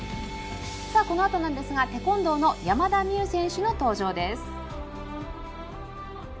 このあとなんですがテコンドーの山田美諭選手の登場です。